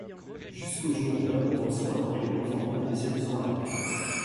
Jusqu'au jour ou Raymonde reçoit un courrier l'informant du décès de son mari…